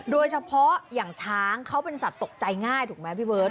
โดยเฉพาะอย่างช้างเขาเป็นสัตว์ตกใจง่ายถูกไหมพี่เบิร์ต